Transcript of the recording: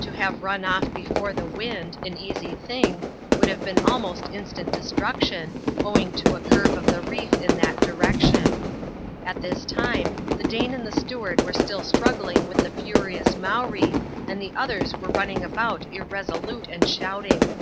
To have run off before the wind — an easy thing — would have been almost instant destruction, owing to a curve of the reef in tiiat direction. At this time, the Dane and the steward were still struggling with the furious Mowree, and the others were running about irresolute and shouting.